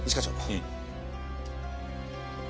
うん。